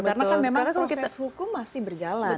karena kan memang proses hukum masih berjalan